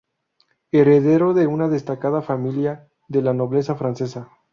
Heredero de una destacada familia de la nobleza francesa.